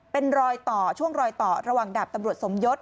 เป็นรอยต่อช่วงรอยต่อระหว่างดาบตำรวจสมยศ